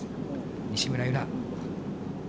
西村優菜。